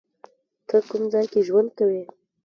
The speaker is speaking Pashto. ته کوم ځای کې ژوند کوی؟